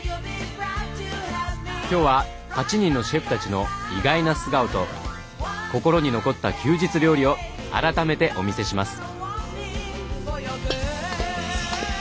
今日は８人のシェフたちの意外な素顔と心に残った休日料理をあらためてお見せします。